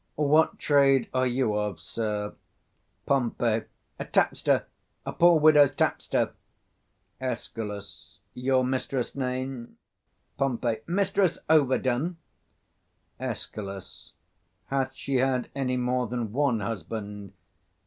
What trade are you of, sir? Pom. A tapster; a poor widow's tapster. Escal. Your mistress' name? Pom. Mistress Overdone. Escal. Hath she had any more than one husband?